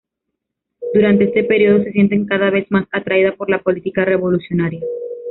Durante este periodo se siente cada vez más atraída por la política revolucionaria.